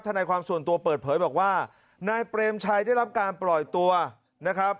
นายความส่วนตัวเปิดเผยบอกว่านายเปรมชัยได้รับการปล่อยตัวนะครับ